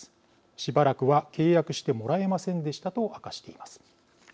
しばらくは契約してもらえませんでしたと明かしています。